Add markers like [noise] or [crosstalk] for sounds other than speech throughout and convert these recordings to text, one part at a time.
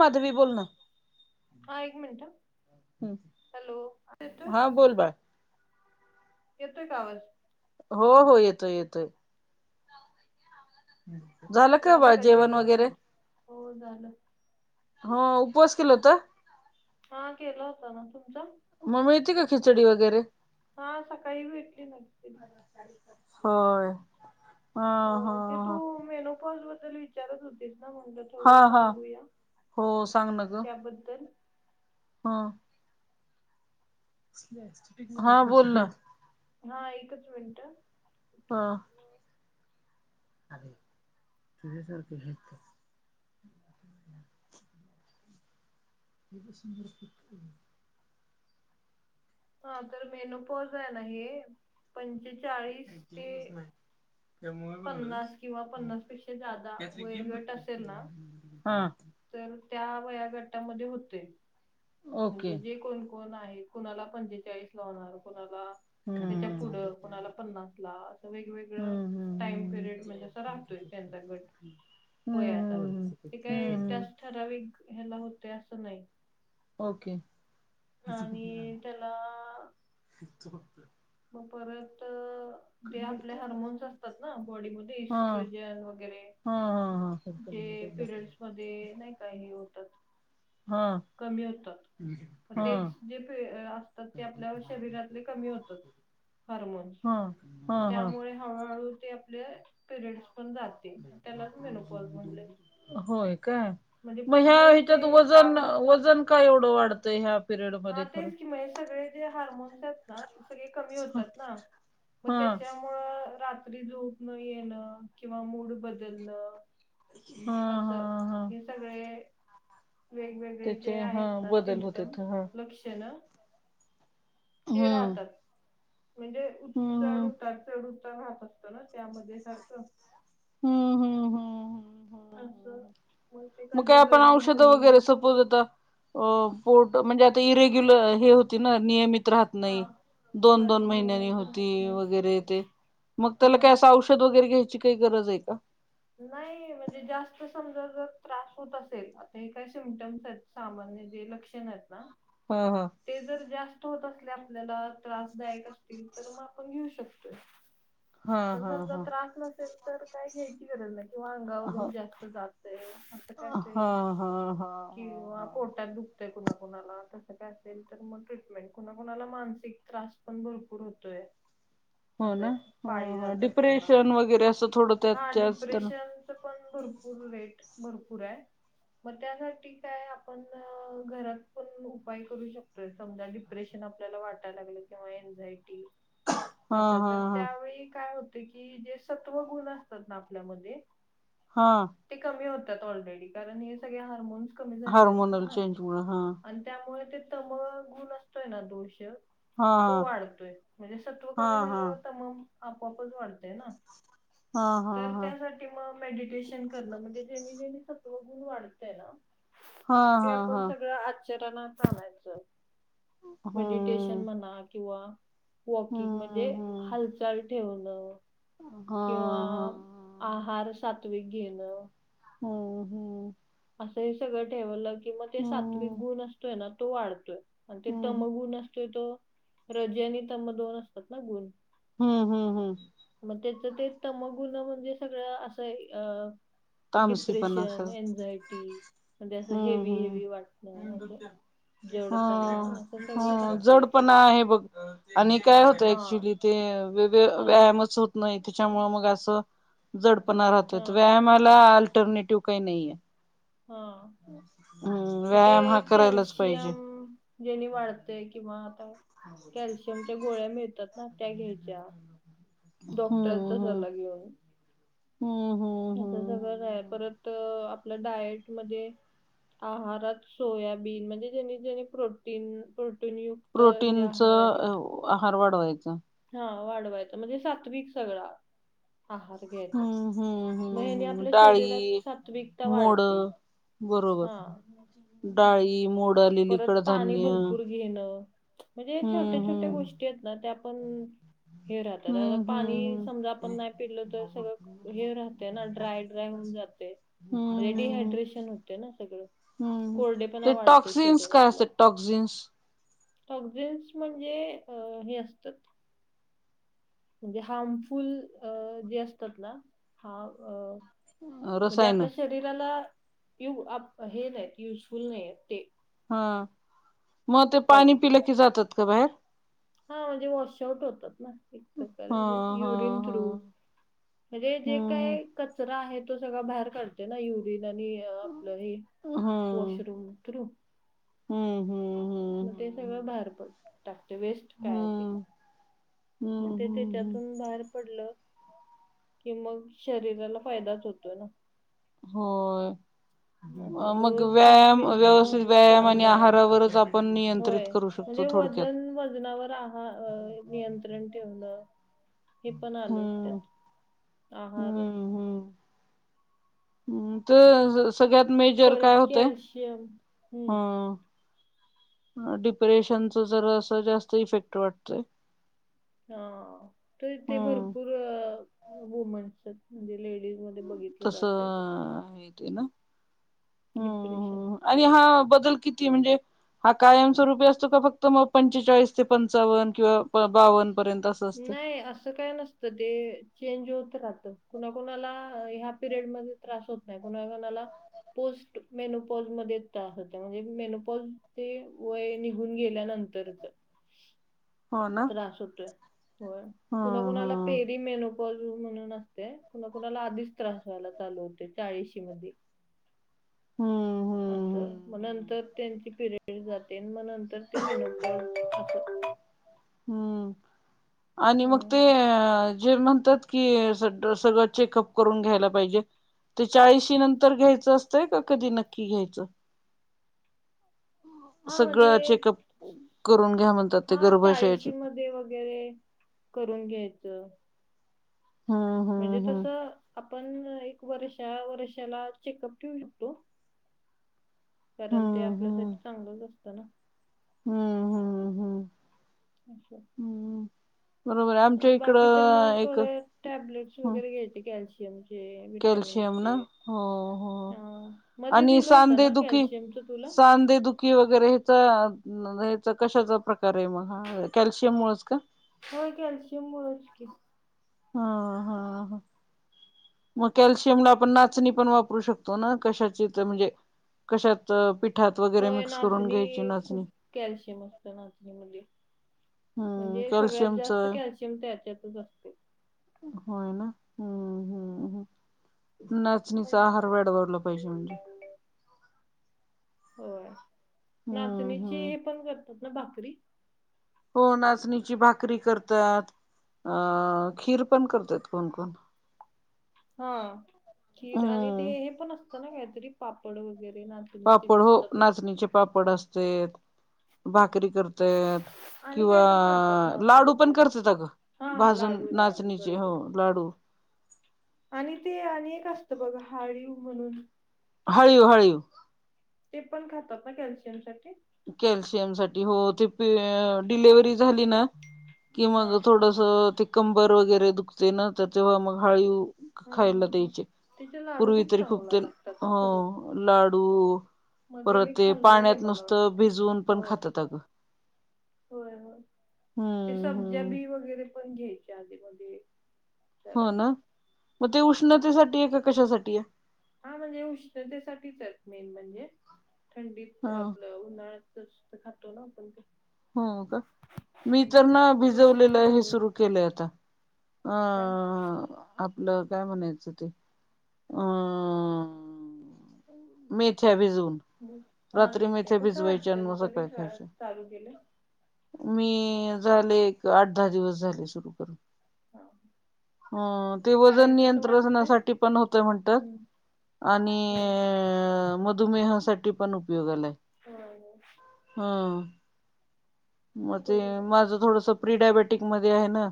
माधवी बोल ना! हां एक मिनट हां, हॅलो! आता येतोय? हा बोल बाळ येतोय का आवाज? हो हो येतोय येतोय. झालं झालं का जेवण वगैरे? हो झालं. हो उपवास केला होता. हां केला होता ना. तुमचा? मग मिळती का खिचडी वगैरे? हां सकाळी भेटली ना खिचडी. होय. हा हा होय ते तू ह मेनोपॉस बद्दल विचारत होतेस ना म्हटलं हा थोडं हा सांगूया हो त्याबद्दल. हां. हां बोल ना. हां एकच मिनिटं. हां. अरे तुझ्यासारखं घ्यायचंस किती सुंदर [unintelligible] हां तर मेनूपॉज आहे ना हे पंचेचाळीस ते काय मूवी बघणार आहेस? पन्नास किंवा पन्नास पेक्षा जादा काहीतरी गेम बघ वयोगट की. असेल ना तर त्या वया गटामध्ये होतंय ओके म्हणजे जे कोण कोण आहे कुणाला पंचेचाळीस लावणार कुणाला त्याच्या हम्म पुढं कोणाला पन्नास ला असं हम्म वेगवेगळं टाईम हम्म पिरियड म्हणजे असं राहतोय त्यांचा गट. हम्म वयाचा, हम्म ते हम्म काय हम्म त्याच ठराविक ह्याला होतंय असं नाही ओके! आणि त्याला मग परत ते आपले हार्मोन्स असतात ना बॉडीमध्ये हा इस्ट्रोजन वगैरे हा हा जे पिरियड्स मध्ये नाही हे होतात हा कमी होतात. मग हा हा तेच जे असतात ते आपल्या शरीरातले कमी होतात. हॉर्मोन्स हा मग हा हा त्यामुळे हळूहळू ते आपले पिरियडस पण जातात. होय का! म्हणजे मग ह्या पूर्णच ते ह्याच्यात वजन काम वजन का एवढं वाढतंय ह्या? पिरियड हां मध्ये खरं? तेच की मग हे सगळे जे हार्मोन्स आहेत ना ते सगळे कमी हा होतात ना. मग हा त्याच्यामुळं रात्री झोप न येणं किंवा मूड बदलणं हा असं हा हे सगळे वेगवेगळे त्याचे जे हा आहेत ना बदल होतेत सिम्टम्स हा. लक्षणं ते हम्म. राहतात म्हणजे हम्म. चढ-उतार चढ-उतार राहत असतं ना त्यामध्ये सारखं. हम हम हम. अस मग काय आपण औषधं वगैरे सपोज आता अ पोट म्हणजे आता इरेग्युलर हे होती ना नियमित राहत हा नाही दोन होय दोन महिन्या नियमित राहत होती नाही वगैरे ते मग त्याला काय होय औषध औषध वगैरे घ्यायची काही गरज आहे का? नाही म्हणजे जास्त समजा जर त्रास होत असेल आता हे काही सिम्टम्स आहेत. सामान्य जे लक्षण आहेत ना. हं हं. ते जर जास्त होत असले आपल्याला त्रासदायक असतील तर मग आपण घेऊ शकतोय. हा पण हा समजा हा. त्रास नसेल तर काय घ्यायची गरज नाही किंवा हा अंगावरून जास्त जातय असं काय हा हा असेल हा हा की किंवा हा पोटात दुखतय कुणा कुणाला तसं काय तर मग ट्रीटमेंट कुणाकुणाला मानसिक त्रास पण भरपूर होतोय. हो ना असं ह पाळी ह जात असताना. डिप्रेशन वगैरे असं थोडं त्यात हा त्याच तर डिप्रेशन पण भरपूर वेट भरपूर आहे. मग त्यासाठी काय आपण घरात पण उपाय करू शकतो समजा डिप्रेशन आपल्याला वाटायला लागलं किंवा एक्झॅक्टी हा असं हा हा त्यावेळी काय होते की जे सत्वगुण असतात ना आपल्यामध्ये हा. ते कमी होतात ऑलरेडी कारण हे सगळे हार्मोन्स कमी झाले असतात हार्मोनल चेंज मुळ हा ना. त्यामुळे ते तमगुण असतोय ना दोष हा तो वाढतोय म्हणजे सत्व हा कमी हा झाल्यावर तमाम आपोआपच वाढतय ना. हा हा तर हा त्यासाठी मग मेडिटेशन करणं म्हणजे जेणी जेणी सत्वगुण वाढतय ना ते हा हा आपण हा सगळं आचर आणयचं मेडटेश हम्म म्हणा किंवा वॉकिंग म्हणजे हम्म हम्म हालचाल ठेवण. हा किंवा हा आहार सात्विक घेणं. हंम हंम. असं हे सगळं ठेवलं की मग ते सात्विक हम्म गुण असतोय ना तो वाढतोय. आणि ते हम्म तमगुण असतोय तो रजे आणि तम दोन असतात ना गुण. हम्म हम्म हम्म. मग त्याचं ते तमगुण म्हणजे सगळं असं अ तमशी पणा सर डिप्रेशन, एन्झायटी म्हणजे असं हेवी हम्म हम्. हेवी वाटणं असं जडपणा हं असं सगळं हं राहतंय जड ते. पणा आहे बघ आणि काय होतं हां, ऍक्च्युली ते हां, व्यायामच होत नाही त्याच्यामुळे मग अस जडपणा राहतय हां, व्या अल्टरनेटिव्ह काही नाहीये. हा हम्म ते व्यायाम हा करायलाच पाहिजे कॅलशियम जेनी वाढतय किंवा आता कॅल्शियमच्या गोळ्या मिळतात ना त्या घ्यायच्या डॉक्टरचा सल्ला घेऊन. हंम हंम. असं सगळं आहे परत आपलं डायट मध्ये आहारात सोयाबीन म्हणजे जनी जणे प्रोटीन प्रोटीन युत प्रोटीनच आहार वाढवायचं. हा वाढवायचं म्हणजे सात्विक सगळा. आहार घ्यायचा हम्म हम्म म हम्म याने हम्म आपल्या शरीरात डाळी सात्विकता मोड वाढते. बरोबर हा डाळी, मोड आलेली परत पाणी कडधान्य भरपूर घेणं म्हणजे या छोट्या हम्म छोट्या हम्म गोष्टी आहेत ना ते आपण हे राहतात आता हम्म पाणी हम्म हम्म समजा आपण नाही पिलं तर सगळं हे राहतय ना ड्राय ड्राय होऊन जातय रे हम्म हम्म डिहायड्रेशन होते ना सगळं कोरडे पणा वाढ सीन्स काय असतं टोक्सिन्स टॉकझिंस म्हणजे अ हे असतं म्हणजे हार्मफुल अ जे असतात ना हा अ म्हणजे रसायन आपल्या शरीराला हे नाही युजफुल नाही आहेत ते हा म ते पाणी पिलं की टॉक्झिन्स. जातात का बाहेर? हा म्हणजे वॉश आउट होतात ना एक प्रकारे ह ह युरिन थ्रू ह म्हणजे जे हम्म काय कचरा आहे तो सगळा बाहेर काढते ना यु रीन आणि आपलं हे हम्म वॉशरूम थ्रू हम्म हं मग ते सगळं बाहेर पड टाकते वेस्ट काय हाय ते हम्म म हम्म ते हम्म तेच्यात हम्म ऊन बाहेर पडलं की मग शरीराला फायदाच होतो ना होय असं मग रोज तीस व्यायाम मिनिटं का व्यवस्थित होईना व्यायाम आणि चालणं आहारावरच आपण नियंत्रित होय करू शक म्हणजे वजन वजनावर आहार नियंत्रण ठेवणं हे पण आलंचं हम्म त्यात आहार हम्म हम्म तर सगळ्यात मेजर काय परत होतय कॅल्शियम हम्म हं डिप्रेशनच जर असं जास्त इफेक्ट वाटतोय. हा तर ते हम्म भरपूर वुमन्स म्हणजे लेडीज मध्ये बघित तसं हे ते ना डिप्रेशन हम्म आणि हा बदल किती म्हणजे हा कायमस्वरूपी असतो का फक्त मग पंचेचाळीस पंचावन्न किंवा बावन्न पर्यंत अस नाही असं काय नस तं ते चेंज होत राहतं कुणाकणाला ह्या पिरियड मध्ये त्रास होत नाही कुणाकुणाला पोस्ट मेनोपॉझ मध्ये त होत म्हणजे मेनोपॉझचे वय निघून गेल्यानंत तरचं हो ना त्रास होतोय होय ह कुणाकुणाला ह पेरी मेनोपॉझ म्हणून असतय कुणा कुणाला आधीच त्रास व्हायला चालू होतोय चाळीशी मध्ये हम्म हो असं मग नंतर त्यांची पिरियड जाते मग नंतर ते मेनोपॉझ [inaudible] [inaudible] हम्म आणि मग ते हम्म. अ जे म्हण तात की स सगळं चेकअप करून घ्यायला पाहिजे ते चाळीशी नंतर घ्यायचं असतंय का कधी नक्की घ्यायच? हा म्हणजे सगळं चेकअप करून घ्या म्हणतात ते हा गर्भाशयाची चाळीसी मध्ये वगैरे करून घ्यायचं हा. म्हणजे तस आपण एक वर्षा वर्षाला चेकअप ठेऊ शकतो. कारण ते हम्म हम्म आपल्यासाठी चांगलंच असतं ना. हम्म हम्म हम्म. अच्छा! हम्म बरोबर आहे आमच्या आणि बाकी तर मग इकडं एक थोडे टॅबलेट्स हं, वगैरे घ्यायचे कॅल्शियमचे. विटामिन कॅल्शियम ना चे हो हो हा मध्ये आणि दिलं होतं नाही कॅल्शियम यमच तुला. की वगैरे हचा हचा कशाचा प्रकार आहे मग कॅल्शियम मुळच का? होय. कॅल्शियम मुळच की. हा हा ह. मग कॅल्शियम ला आपण नाचणी पण वापरू शकतो ना. कशाची तर म्हणजे कशात पिठात वगैरे होय मिक्स करून घ्यायची नाचणी खूप नाचणी. कॅल्शियम असत नाचणी मध्ये. हम्म म्हणजे सगळ्यात कॅल्शियमच जास्त कॅल्शियम त्याच्यातच असतय. होय ना. हम्म हम्म्म. नाचणीचा आहार वाढवायला पाहिजे म्हणजे. होय हम्म नाचणीची हम्म हे पण करतात ना भाकरी. हो नाचणीची भाकरी करतात. अ खीर पण करतात कोण कोण? हा खीर आणि ते हम्म हे पण असतं ना काहीतरी पापड वगैरे ना. नाचणीचे पापड हो भेटतात नाचणीचे पापड असतेत भाकरी करतय. आणि किंवा काय तर करतात लाडू नाचणीच पण करते अ गं. हा हा भाजून लाडू लाडू नाचणीचे हो बरोबर लाडू. आणि ते आणि अनेक असतं बघ हाळीव म्हणून. हळीव हळीव. ते पण खातात ना कॅल्शियम साठी‌. कॅल्शियम साठी हो ते डिलेव्हरी झाली ना की हा मग हा थोड ते कंबर वगैरे दुखते ना त्या तेव्हा मग हळीव खायला हा हा द्यायचे त्याचे लाडू पूर्वी तरी खूप. चांगला लागतात खरं हा. लाडू मध्ये परत मी ते खाल्लेले पाण्यात नु मला तर वाटते भिजवून पण होय खातात अगं. होय होय हम्म हम्म. आपण घ्यायच्या आधे मध्ये. हो ना. मग ते हा उष्णतेसाठी आहे का कशासाठी आहे? हा म्हणजे उष्णतेसाठीच मेन म्हणजे थंडीत ह आपलं उन्हाळ्यातच खातो‌ ना आपण ते. हो का मी तर ना हम्म भिजवलेलं उष्णता आहे हे कमी होते सुरू केलंय आता. हा. काय आपलं काय म्हणायचं ते. अ. मैथ्या भिजू. हा मैथ्या कसं वाटतय मग कधी सकाळी खायच्या चालू केलय? मी झाले एक आठ-दहा दिवस झाले सुरू करून. हा हां ते वजन काय कसं वाटतंय नियंत्रणासाठी पण होतंय म्हणतात. हम्म आणि होय मधुमेहासाठी पण उपयोगाला हाय. हा ना. हां. मग ते बरोबर माझं थोडस प्री डायबेटिक मध्ये आहे ना.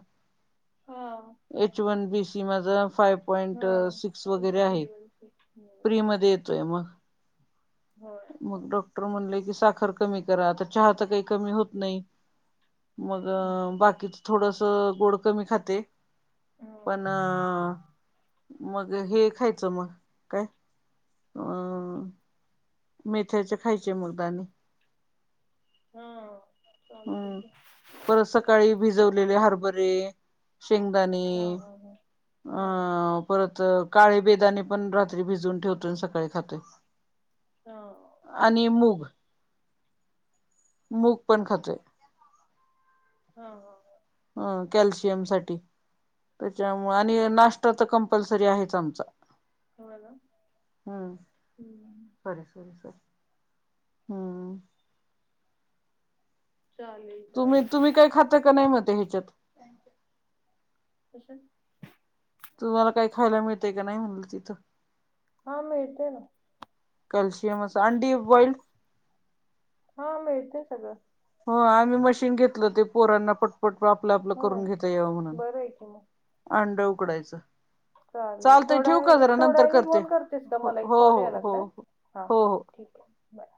ह. एच वन बीसी माझ फाईव्ह पॉईंट हा सिक्स एच वगैरे बी आहे वन सी हम्म. प्री मध्ये ये तयम हा मग डॉक्टर म्हणले की साखर कमी करा, आता चहा तर काय कमी होत नाही. हम्म. मगं, बाकीच थोडंसं गोड कमी खाते. हा पण अं मगं हे खायचं मगं काय, अं मेथ्याचे खायचे मगं दाने. हम्म हम्म, परत सकाळी भिजवलेले हरभरे शेंगदाणे, हा हा अ हा हा परत काळे बेदाने पण रात्री भिजून ठेवतोय, सकाळी खातोय. हा अं आणि मूग, मूग पण खातोय. हा हा अ कॅल्शियम साठी त्याच्यामुळे आणि हा नाष्टा तर कंप पल्सरी आहेच आमचा, हो ना हम्म हम्म सॉरी सॉरी सॉरी, हम्म चालेल. तुम्ही चालेल तुम्ही काही खाता का नाही म त्या ह्यांच्यात. कशात? तुम्हाला काय खायला मिळतय का नाही म्हणलं तिथं. हां मिळतंय की. कॅलशिम असं अंडी बॉईलड हो मिळतंय सगळं. हो आम्ही मशीन घेतलं ते पोरांना पट पट पट आपलं आपलं होय करून घेता यावं म्हणून बरं आहे की मग अंड उकडायचं. चालेल चालतंय थोड्या ठेवू का वेळाने, एक जरा नंतर थोड्यावेळाने करते फोन करतेस का हो मला एक हो कॉल हो यायला हो लागलाय. हां हो हो ठीक आहे. बाय